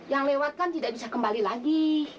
yang lewat kan tidak bisa kembali lagi